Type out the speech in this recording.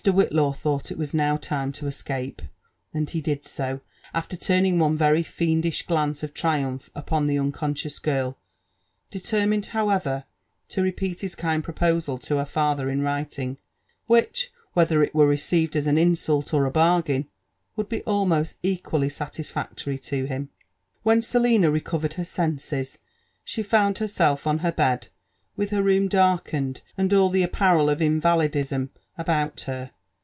Whitlaw thought it was now time to escape, and he did so, after turning onevery fiendish glance of triumph upon the unconscious girl; determined however, to repeat his kind proposal to her father in> writing, which, whether it were received as an insult or a bargain^ would be almost equally satisfactory to him. When Selina recovered her senses, she found herseK oin her bed,, with her room darkened and all the appareil of invalidism about her.